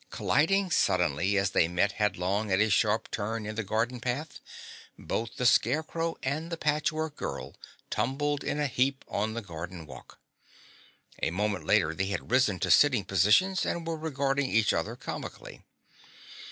Colliding suddenly as they met headlong at a sharp turn in the garden path, both the Scarecrow and the Patchwork Girl tumbled in a heap on the garden walk. A moment later they had risen to sitting positions and were regarding each other comically.